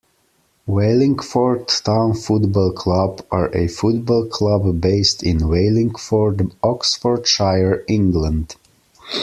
Wallingford Town Football Club are a football club based in Wallingford, Oxfordshire, England.